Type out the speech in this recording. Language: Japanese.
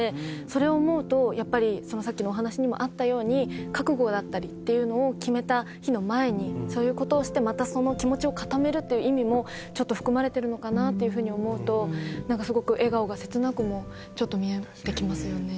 それを思うとやっぱりさっきのお話にもあったように覚悟だったりっていうのを決めた日の前にそういう事をしてまたその気持ちを固めるという意味もちょっと含まれてるのかなっていうふうに思うとなんかすごく笑顔が切なくもちょっと見えてきますよね。